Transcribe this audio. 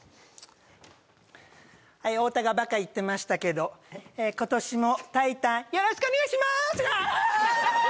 はい太田がバカ言ってましたけど今年もタイタンよろしくお願いしますあ！